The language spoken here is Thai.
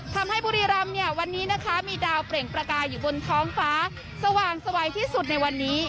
ทำให้บุรีรำวันนี้มีดาวเปลี่ยงประกาศอยู่บนท้องฟ้าสว่างสวัยที่สุดในวันนี้